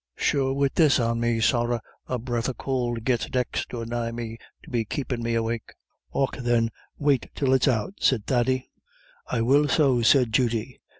Sure wid this on me sorra a breath of could gits next or nigh me to be keepin' me awake." "Och thin, wait till it's out," said Thady. "I will so," said Judy.